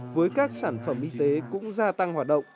với các sản phẩm y tế cũng ra tầm